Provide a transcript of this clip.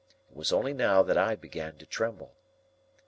It was only now that I began to tremble.